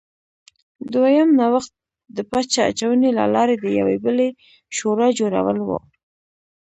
دویم نوښت د پچه اچونې له لارې د یوې بلې شورا جوړول و